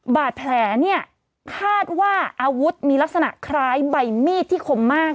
บาดแผลเนี่ยคาดว่าอาวุธมีลักษณะคล้ายใบมีดที่คมมาก